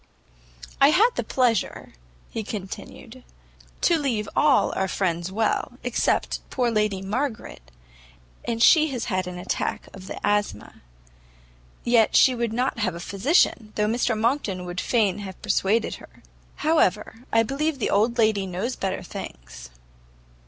"I had the pleasure," he continued, "to leave all our friends well, except poor Lady Margaret, and she has had an attack of the asthma; yet she would not have a physician, though Mr Monckton would fain have persuaded her: however, I believe the old lady knows better things."